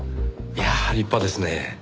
いやあ立派ですね。